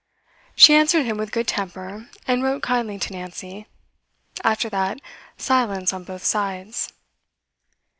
She answered him with good temper, and wrote kindly to Nancy; after that, silence on both sides.